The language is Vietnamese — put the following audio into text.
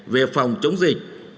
về phòng chống dịch